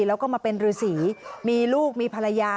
แล้วก็มาเป็นฤษีมีลูกมีภรรยา